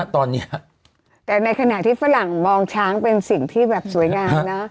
ตอนนี้แต่ในขณะที่ฝรั่งมองช้างเป็นสิ่งที่แบบสวยงามนะ